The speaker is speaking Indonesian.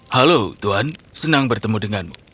halo tuhan senang bertemu denganmu